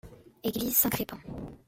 Église Saint-Crépin.